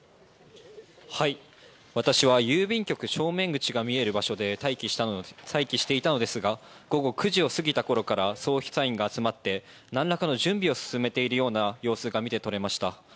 私は郵便局正面口が見える場所で待機していたのですが午後９時を過ぎたころから捜査員が集まって何らかの準備を進めているような様子が見て取れました。